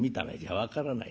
分からない